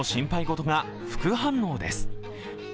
事が副反応です。